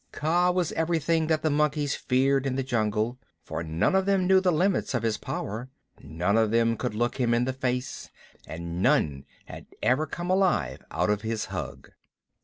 Kaa was everything that the monkeys feared in the jungle, for none of them knew the limits of his power, none of them could look him in the face, and none had ever come alive out of his hug.